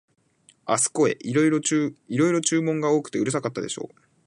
あすこへ、いろいろ注文が多くてうるさかったでしょう、